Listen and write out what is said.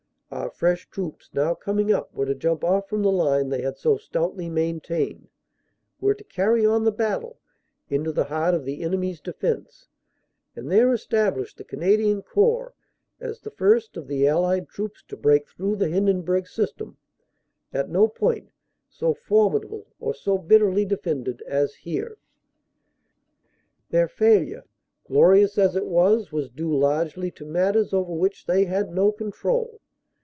Our fresh troops now coming up were to jump off from the line they had so stoutly maintained, were to carry on the battle into the heart of the enemy s defense, and there establish the Canadian Corps as the first of the Allied troops to break through the Hindenburg system, at no point so formidable or so bitterly defended as here. Their failure, glorious as it was, was due largely to matters over which they had no control.